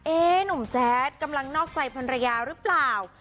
หนุ่มแจ๊ดกำลังนอกใจภรรยาหรือเปล่า